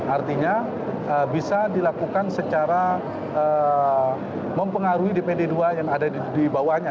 artinya bisa dilakukan secara mempengaruhi dpd dua yang ada di bawahnya